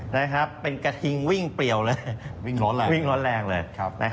นะครับเป็นกระทิงวิ่งเปรียวเลย